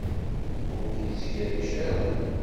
Ur k-yettkerric ara.